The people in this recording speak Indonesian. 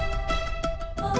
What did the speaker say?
nih aku tidur